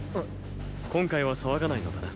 今回は騒がないのだな。